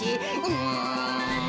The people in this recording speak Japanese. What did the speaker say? うん。